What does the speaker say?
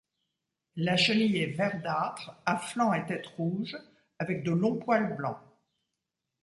La chenille est verdâtre à flancs et tête rouge, avec de longs poils blancs.